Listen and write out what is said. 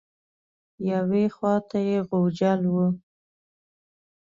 یوې خوا ته یې غوجل وه.